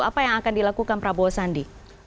apa yang akan dilakukan prabowo sandi